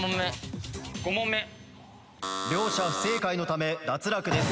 両者不正解のため脱落です。